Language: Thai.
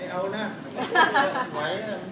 เอาหน่า